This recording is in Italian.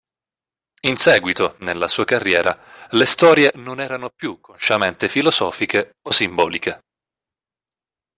In seguito, nella sua carriera, le storie non erano più consciamente filosofiche o simboliche.